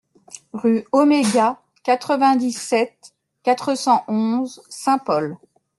Rue Oméga, quatre-vingt-dix-sept, quatre cent onze Saint-Paul